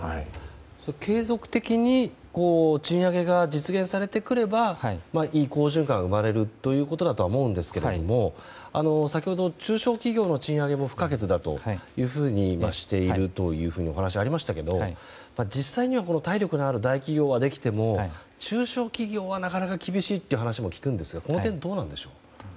継続的に賃上げが実現させてくればいい好循環が生まれるということですが先ほど中小企業の賃上げも不可欠だという話がありましたが実際には体力のある大企業はできても中小企業は、なかなか厳しいという話は聞くんですがこの点どうなんでしょう。